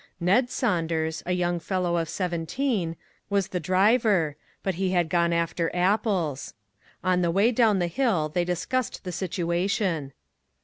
Ned Saunders, a young fellow of seventeen, was the driver, but he had gone after apples. On the way down the hill they discussed the situa tion.